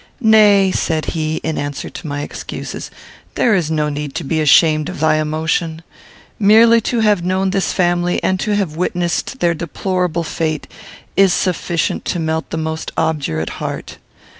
"Nay," said he, in answer to my excuses, "there is no need to be ashamed of thy emotion. Merely to have known this family, and to have witnessed their deplorable fate, is sufficient to melt the most obdurate heart.